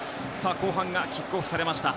後半がキックオフされました。